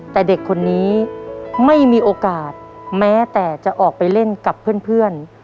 แต่เด็กคนนี้ไม่มีโอกาสแม้แต่จะออกไปเล่นกับเพื่อน